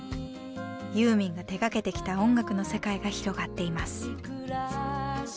ユーミンが手がけてきた音楽の世界が広がっています。